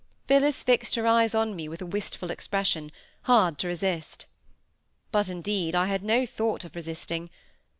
Phillis fixed her eyes on me with a wistful expression, hard to resist. But, indeed, I had no thought of resisting.